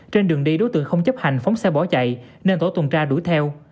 trên đường đi đối tượng không chấp hành phóng xe bỏ chạy nên tổ tuần tra đuổi theo